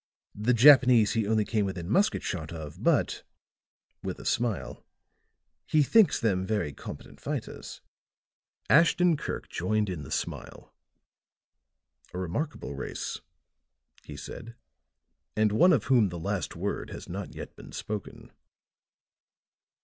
The Japanese he only came within musket shot of, but," with a smile, "he thinks them very competent fighters." Ashton Kirk joined in the smile. "A remarkable race," he said, "and one of whom the last word has not yet been spoken."